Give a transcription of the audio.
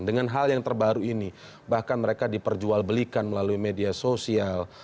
dengan hal yang terbaru ini bahkan mereka diperjualbelikan melalui media sosial